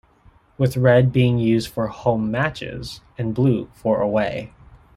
With red being used for home matches, and blue for away.